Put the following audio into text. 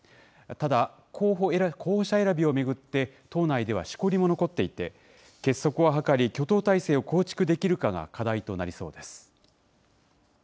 ただ、候補者選びを巡って、党内ではしこりも残っていて、結束を図り、挙党態勢を構築できるかが課題となりそうです。